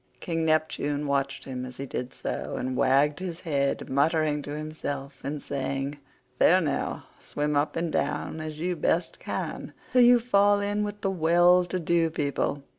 King Neptune watched him as he did so, and wagged his head, muttering to himself and saying, "There now, swim up and down as you best can till you fall in with well to do people.